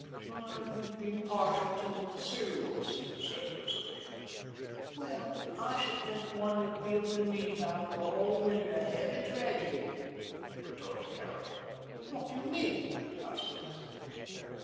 "I've never been partial to serials," said Elizabeth. "Well, I should think one would be a relief after a whole winter of heavy tragedy," retorted Harriet. "What do you mean?" asked Elizabeth.